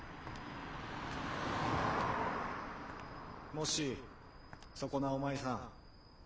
・もしそこなおまいさん。